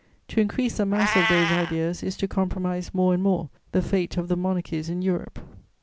To increase the mass of those ideas is to compromise more and more the fate of the monarchies in Europe.'